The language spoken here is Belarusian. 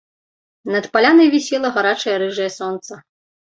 Над палянай вісела гарачае рыжае сонца.